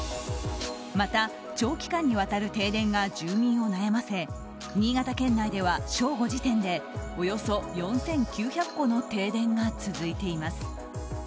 また長期間にわたる停電が住民を悩ませ新潟県内では正午時点でおよそ４９００戸の停電が続いています。